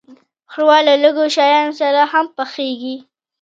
ښوروا له لږو شیانو سره هم پخیږي.